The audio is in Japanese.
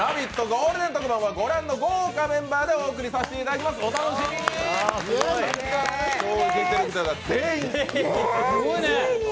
ゴールデン特番はご覧の豪華メンバーでお送りさせていただきます、お楽しみに。